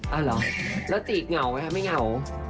เอ้าหรอแล้วจี๊ดเหงาไงครับไม่เหงา